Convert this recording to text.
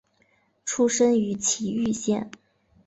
出身于崎玉县。